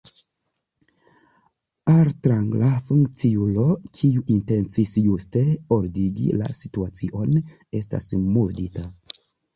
Altranga funkciulo, kiu intencis juste ordigi la situacion, estas murdita.